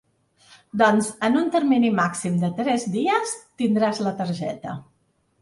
Doncs en un termini màxim de tres dies tindràs la targeta.